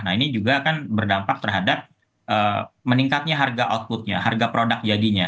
nah ini juga akan berdampak terhadap meningkatnya harga outputnya harga produk jadinya